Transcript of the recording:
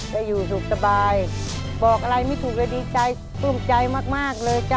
จะอยู่สุขสบายบอกอะไรไม่ถูกจะดีใจส่วนใจมากมากเลยจ้ะ